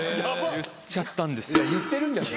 言っちゃったんですよ。